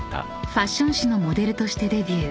［ファッション誌のモデルとしてデビュー］